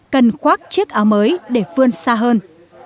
cần khoác chiếc áo mới để phương xa hơn